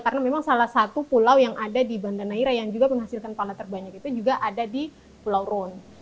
karena memang salah satu pulau yang ada di bandana ira yang juga menghasilkan pala terbanyak itu juga ada di pulau rune